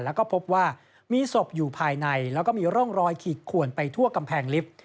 แล้วก็พบว่ามีศพอยู่ภายในแล้วก็มีร่องรอยขีดขวนไปทั่วกำแพงลิฟต์